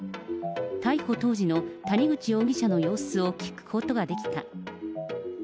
逮捕当時の谷口容疑者の様子を聞くことができた。